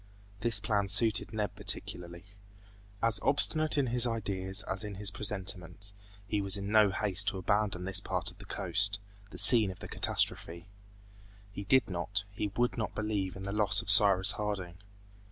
This plan suited Neb particularly. As obstinate in his ideas as in his presentiments, he was in no haste to abandon this part of the coast, the scene of the catastrophe. He did not, he would not believe in the loss of Cyrus Harding.